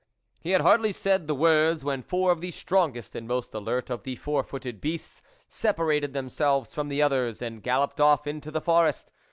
He had hardly said the words, when four of the strongest and most alert of the four footed beasts separated themselves from the others and galloped off into the forest.